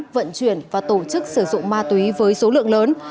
vận chuyển và tổ chức sử dụng ma túy với số lượng lớn